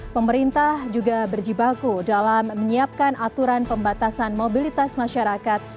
pemerintah juga berjibaku dalam menyiapkan aturan pembatasan mobilitas masyarakat